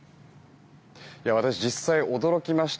実際、驚きました。